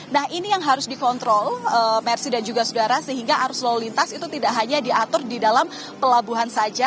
nah ini yang harus dikontrol mercy dan juga saudara sehingga arus lalu lintas itu tidak hanya diatur di dalam pelabuhan saja